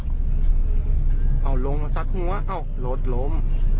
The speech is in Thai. โอ้โหลงสัดหัวโลดลม